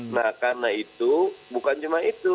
nah karena itu bukan cuma itu